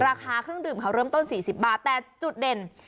ราคาเครื่องดื่มเขาเริ่มต้น๔๐บาทแต่จุดเด่น